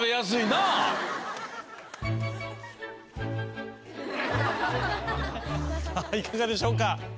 さあいかがでしょうか？